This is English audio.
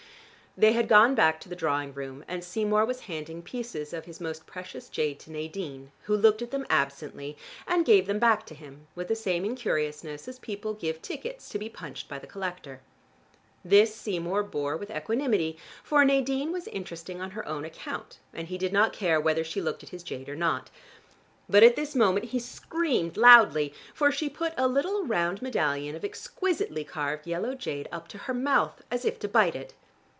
They had gone back to the drawing room and Seymour was handing pieces of his most precious jade to Nadine, who looked at them absently and then gave them back to him, with the same incuriousness as people give tickets to be punched by the collector. This Seymour bore with equanimity, for Nadine was interesting on her own account, and he did not care whether she looked at his jade or not. But at this moment he screamed loudly, for she put a little round medallion of exquisitely carved yellow jade up to her mouth, as if to bite it.